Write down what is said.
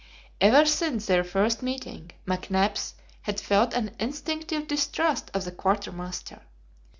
Ever since their first meeting, McNabbs had felt an instinctive distrust of the quartermaster.